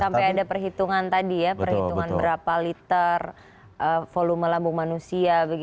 sampai ada perhitungan tadi ya perhitungan berapa liter volume lambung manusia